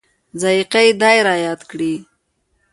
ذایقه یې دای رایاد کړي.